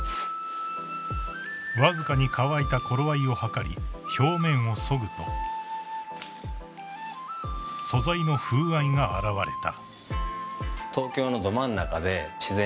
［わずかに乾いた頃合いを計り表面をそぐと素材の風合いが現れた］